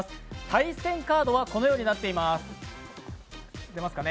対戦カードはこのようになっています。